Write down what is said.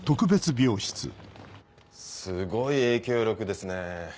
すごい影響力ですね。